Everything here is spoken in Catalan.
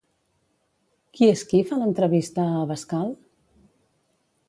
Qui és qui fa l'entrevista a Abascal?